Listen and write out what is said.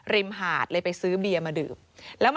มหาดเลยไปซื้อเบียร์มาดื่ม